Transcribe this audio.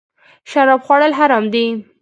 شراب خوړل حرام دی